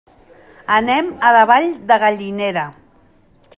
Anem a la Vall de Gallinera.